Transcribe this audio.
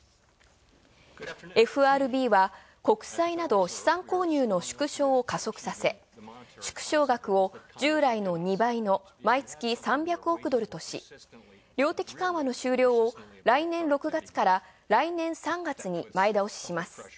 ＦＲＢは国際など資産購入の縮小を加速させ、縮小額を従来の２倍の毎月３００億ドルとし、量的緩和の終了を来年６月から来年３月に前倒しします。